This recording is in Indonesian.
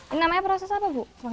ini namanya proses apa bu